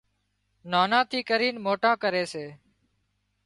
نانان ٿي ڪرينَ موٽان ڪري سي